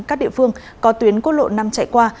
các địa phương có tuyến quốc lộ năm chạy qua